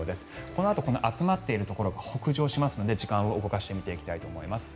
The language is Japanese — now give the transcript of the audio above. このあと、集まっているところが北上しますので時間を動かして見ていきたいと思います。